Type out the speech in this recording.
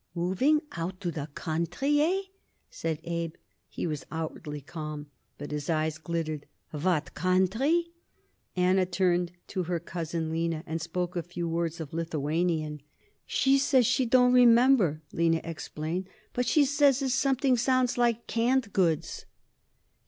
"Moving out to the country, hey?" said Abe. He was outwardly calm, but his eyes glittered. "What country?" Anna turned to her cousin Lina and spoke a few words of Lithuanian. "She say she don't remember," Lina explained, "but she say is something sounds like 'canned goods'."